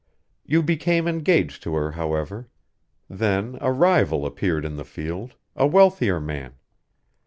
You became engaged to her, however. Then a rival appeared in the field, a wealthier man.